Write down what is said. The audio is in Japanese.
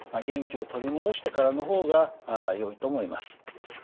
元気を取り戻してからの方がよいと思います。